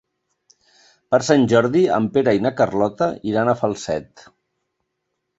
Per Sant Jordi en Pere i na Carlota iran a Falset.